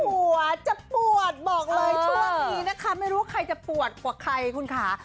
หัวจะปวดบอกเลยช่วงนี้นะคะไม่รู้ว่าใครจะปวดกว่าใครคุณค่ะ